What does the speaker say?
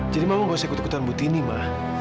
jadi mama nggak usah ikut ikutan butini ma